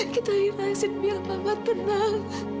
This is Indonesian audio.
kita ikhlasin biar mama tenang